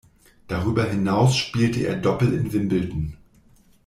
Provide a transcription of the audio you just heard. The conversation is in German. Darüber hinaus spielte er Doppel in Wimbledon.